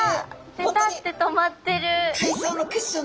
ペタッて止まってる。